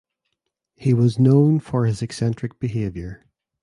He was known for his eccentric behavior.